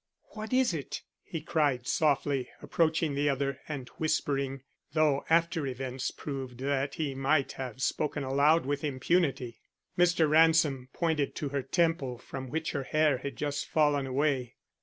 "What is it?" he cried, softly approaching the other and whispering, though after events proved that he might have spoken aloud with impunity. Mr. Ransom pointed to her temple from which her hair had just fallen away.